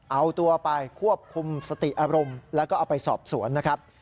เอาตัวไปควบคุมสติอารมณ์แล้วก็เอาไปสอบสวนนะครับ